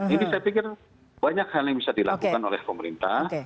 ini saya pikir banyak hal yang bisa dilakukan oleh pemerintah